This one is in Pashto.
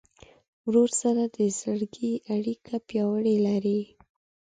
ورور سره د زړګي اړیکه پیاوړې لرې.